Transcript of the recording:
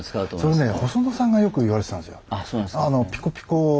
それね細野さんがよく言われてたんですよ。